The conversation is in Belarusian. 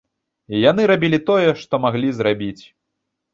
Яны рабілі тое, што маглі зрабіць.